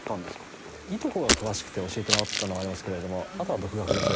いとこが詳しくて教えてもらったのはありますけどあとは独学です。